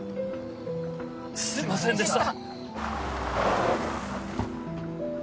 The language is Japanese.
すいませんでした。